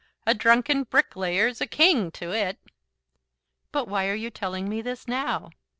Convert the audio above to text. A drunken bricklayer's a king to it." "But why are you telling me this now?"